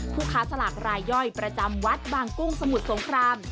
ผู้ค้าสลากรายย่อยประจำวัดบางกุ้งสมุทรสงคราม